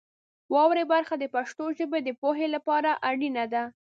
واورئ برخه د پښتو ژبې د پوهې لپاره اړینه ده.